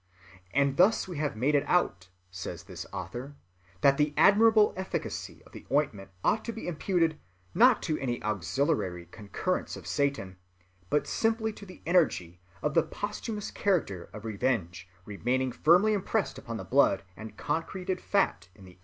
And thus we have made it out, says this author, that the admirable efficacy of the ointment ought to be imputed, not to any auxiliary concurrence of Satan, but simply to the energy of the posthumous character of Revenge remaining firmly impressed upon the blood and concreted fat in the unguent.